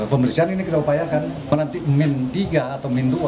pembersihan ini kita upayakan menanti min tiga atau min dua